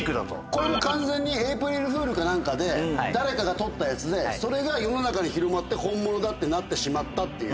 これもう完全にエイプリルフールかなんかで誰かが撮ったやつでそれが世の中に広まって本物だってなってしまったっていう。